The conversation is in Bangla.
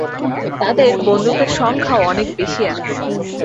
তাদের বন্দুকের সংখ্যাও অনেক বেশী এখন।